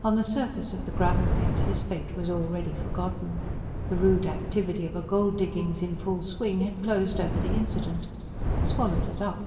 On the surface of the Gravel Pit his fate was already forgotten. The rude activity of a gold diggings in full swing had closed over the incident, swallowed it up.